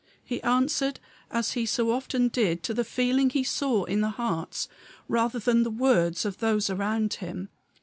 He answered as he so often did to the feeling he saw in the hearts rather than the words of those around him.